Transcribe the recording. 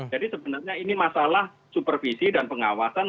jadi sebenarnya ini masalah supervisi dan pengawasan